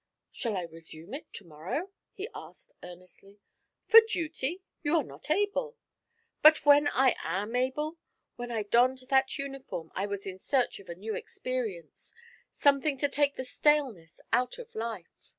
'Shall I resume it to morrow?' he asked earnestly. 'For duty? You are not able.' 'But when I am able? When I donned that uniform I was in search of a new experience; something to take the staleness out of life.